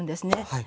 はい。